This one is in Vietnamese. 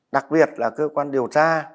đặc biệt là cơ quan điều tra